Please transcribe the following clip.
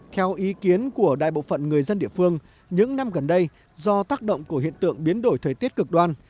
theo ý kiến của đại bộ phận người dân địa phương những năm gần đây do tác động của hiện tượng biến đổi thời tiết cực đoan